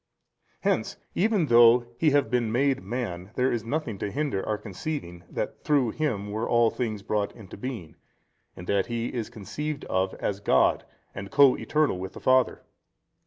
Hence even though He have been made man, there is nothing to hinder our conceiving that through Him were all things brought into being, in that He is conceived of as God and co eternal with the Father.